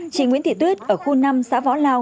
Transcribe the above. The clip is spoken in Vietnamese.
chị nguyễn thị tuyết ở khu năm xã võ lao